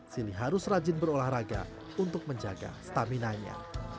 sili harus rajin berolahraga untuk menjaga stamina nya